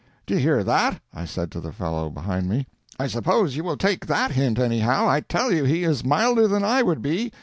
"Do you hear that?" I said to the fellow behind me. "I suppose you will take that hint, anyhow. I tell you he is milder than I would be.